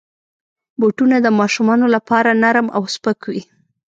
بوټونه د ماشومانو لپاره نرم او سپک وي.